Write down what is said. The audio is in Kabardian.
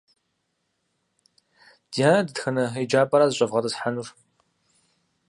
Дианэ дэтхэнэ еджапӏэра зыщӏэвгъэтӏысхьэнур?